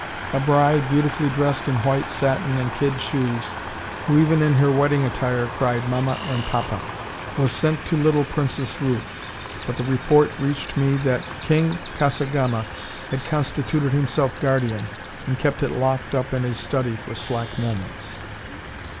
A bride, beautifully dressed in white satin and kid shoes, who even in her wedding attire cried "mamma" and "papa," was sent to little Princess Ruth, but the report reached me that King Kasagama had constituted himself guardian, and kept it locked up in his study for slack moments!